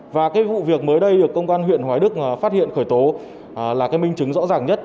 và cái vụ việc mới đây được công an huyện hoài đức phát hiện khởi tố là cái minh chứng rõ ràng nhất